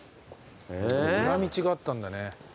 裏道があったんだね。